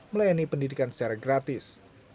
melayani pendidikan secara gratis